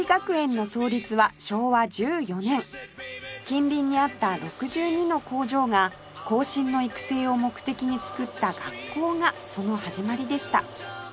近隣にあった６２の工場が後進の育成を目的に作った学校がその始まりでした